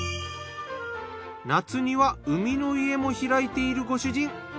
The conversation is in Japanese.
夏には海の家も開いているご主人。